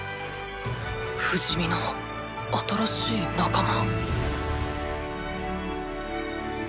不死身の新しい仲間